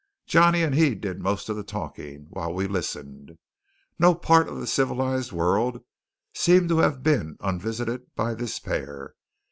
Johnny and he did most of the talking, while we listened. No part of the civilized world seemed to have been unvisited by this pair.